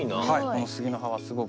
この杉の葉はすごく。